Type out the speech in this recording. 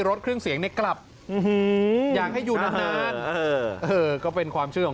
รถเครื่องเสียงเนี่ยกลับอยากให้อยู่นานนานก็เป็นความเชื่อของ